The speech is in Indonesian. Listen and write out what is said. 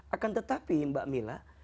akan tetapi mbak mila